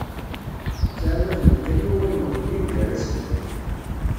Ttɛawaden-d kan i wawal n uxeddim gar-asen.